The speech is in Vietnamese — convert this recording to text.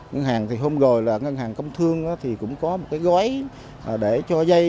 ngân hàng thì hôm rồi là ngân hàng công thương thì cũng có một cái gói để cho dây